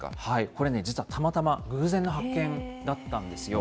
これね、実はたまたま偶然の発見だったんですよ。